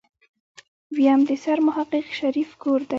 ويم د سرمحقق شريف کور دی.